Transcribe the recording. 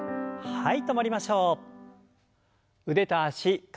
はい。